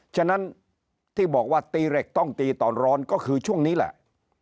ฉะนั้นที่บอกว่าตีเหล็กต้องตีตอนร้อนก็คือช่วงนี้แหละ